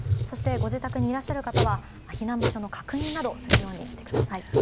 ご自宅にいる方は避難場所の確認などをするようにしてください。